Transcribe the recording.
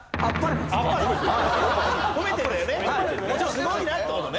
すごいなって事ね。